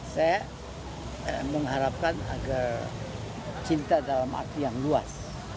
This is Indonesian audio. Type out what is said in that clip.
saya mengharapkan agar cinta dalam arti yang luas